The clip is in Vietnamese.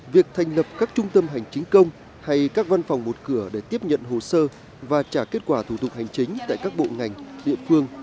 việc thành lập các trung tâm hành chính công hay các văn phòng một cửa để tiếp nhận hồ sơ và trả kết quả thủ tục hành chính tại các bộ ngành địa phương